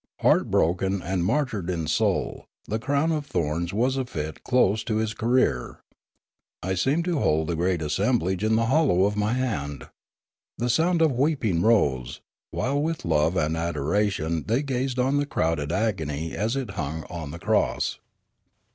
Heart broken and martyred in soul, the crown of thorns was a fit close to His career. I seemed to hold the great assemblage in the hollow of my hand. The sound of weeping rose, while with love and adoration they gazed on the crowned agony as it hung on the cross.